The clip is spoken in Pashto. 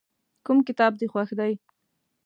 کوم کتاب دې خوښ دی.